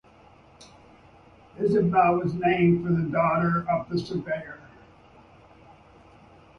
Isabel was named for the daughter of a surveyor.